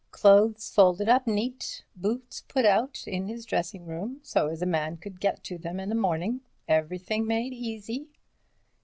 Clothes folded up neat, boots put out in his dressing room, so as a man could get them in the morning, everything made easy."